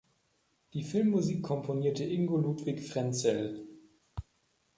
Die Filmmusik komponierte Ingo Ludwig Frenzel.